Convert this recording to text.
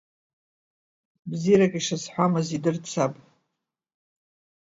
Бзиарак ишазҳәамыз идырт саб.